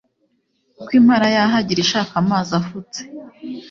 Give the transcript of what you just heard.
uko impara yahagira ishaka amazi afutse